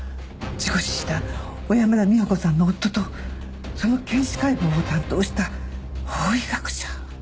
事故死した小山田美穂子さんの夫とその検視解剖を担当した法医学者。